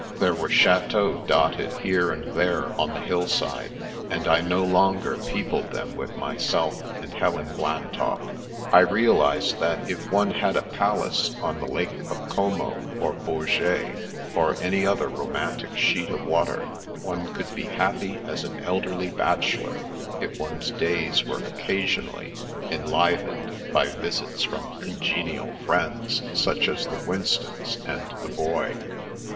There were chateaux dotted here and there on the hillside, and I no longer peopled them with myself and Helen Blantock. I realised that if one had a palace on the Lake of Como or Bourget, or any other romantic sheet of water, one could be happy as an elderly bachelor, if one's days were oc casionally enlivened by visits from congenial f riends. 268 The Princess Passes such as the Winstons and the Boy.